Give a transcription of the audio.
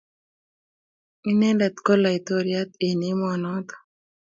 Inendet ko laitoriat eng emonoto